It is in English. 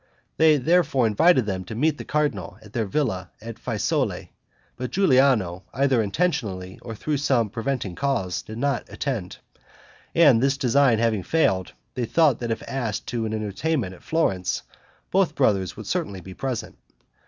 They therefore invited them to meet the cardinal at their villa of Fiesole; but Giuliano, either intentionally or through some preventing cause, did not attend; and this design having failed, they thought that if asked to an entertainment at Florence, both brothers would certainly be present.